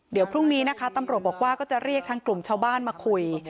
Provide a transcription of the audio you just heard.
เดี๋ยวพรุ่งนี้นะคะตำรวจบอกว่าก็จะเรียกทางกลุ่มชาวบ้านมาคุย